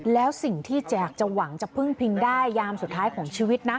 แล้วสิ่งที่แจกจะหวังจะพึ่งพิงได้ยามสุดท้ายของชีวิตนะ